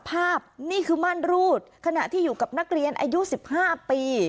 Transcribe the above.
ภาพนี่คือมั่นรูดขณะที่อยู่กับนักเรียนอายุ๑๕ปี